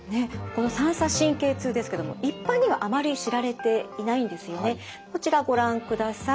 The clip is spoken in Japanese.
この三叉神経痛ですけども一般にはあまり知られていないんですよね。こちらご覧ください。